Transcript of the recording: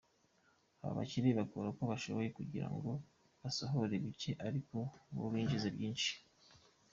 Aba bakire bakora uko bashoboye kugira ngo basohore bike ariko bo binjize byinshi.